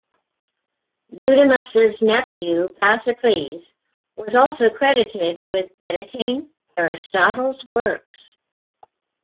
Eudemus' nephew, Pasicles, was also credited with editing Aristotle's works.